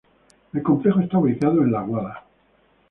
El Complejo está ubicado en la Aguada.